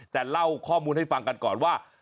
แต่เล่าข้อมูลให้ฟังกันก่อนว่า